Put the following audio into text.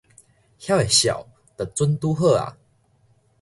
遐的數就準拄好矣